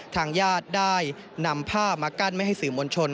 ทางญาติได้นำผ้ามากั้นไม่ให้สื่อมวลชน